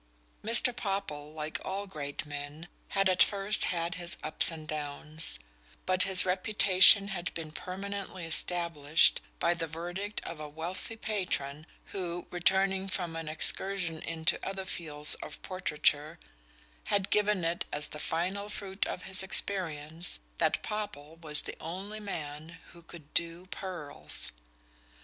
Mr. Popple, like all great men, had at first had his ups and downs; but his reputation had been permanently established by the verdict of a wealthy patron who, returning from an excursion into other fields of portraiture, had given it as the final fruit of his experience that Popple was the only man who could "do pearls."